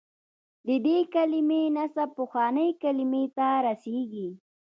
د دې کلمې نسب پخوانۍ کلمې ته رسېږي.